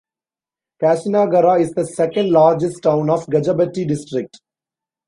Kashinagara is the second largest town of Gajapati district.